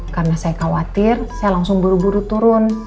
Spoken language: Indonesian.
karena saya khawatir saya langsung buru buru turun